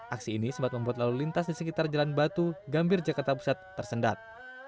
aksi ini sempat membuat lalu lintas di sekitar jalan batu gambir jakarta pusat tersendat